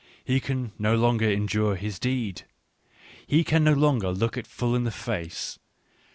He can no longer endure his deed. He can no longer look it full in the face.